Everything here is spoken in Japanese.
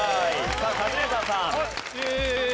さあカズレーザーさん。